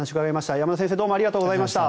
山田先生ありがとうございました。